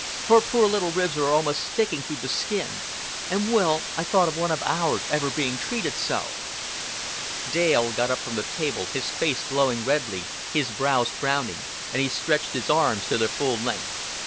Her poor little ribs were almost sticking through the skin; and, Will, I thought of one of ours ever being treated so." Dale got up from the table, his face glowing redly, his brows frowning; and he stretched his arms to their full length.